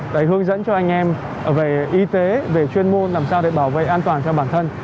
để hướng dẫn cho anh em về y tế về chuyên môn làm sao để bảo vệ an toàn cho bản thân